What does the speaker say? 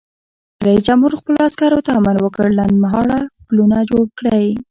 رئیس جمهور خپلو عسکرو ته امر وکړ؛ لنډمهاله پلونه جوړ کړئ!